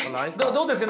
どうですか。